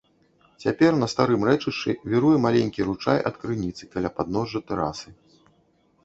Цяпер на старым рэчышчы віруе маленькі ручай ад крыніцы каля падножжа тэрасы.